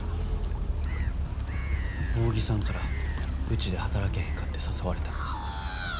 扇さんからうちで働けへんかて誘われたんです。